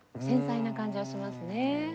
繊細な感じはしますね。